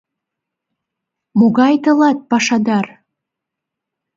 — Могай тылат пашадар!